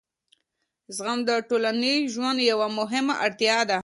زغم د ټولنیز ژوند یوه مهمه اړتیا ده.